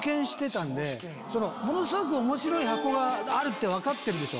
ものすごく面白い箱があるって分かってるんですよ。